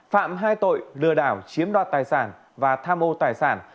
phạm hai tội lừa đảo chiếm đoạt tài sản và tham ô tài sản